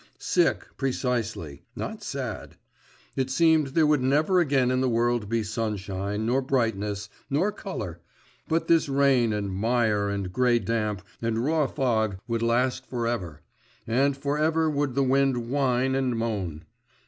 Sick, precisely, not sad. It seemed there would never again in the world be sunshine, nor brightness, nor colour, but this rain and mire and grey damp, and raw fog would last for ever, and for ever would the wind whine and moan!